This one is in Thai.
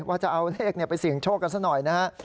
ว่าจะเอาเลขไปเสี่ยงโชคกันซะหน่อยนะฮะ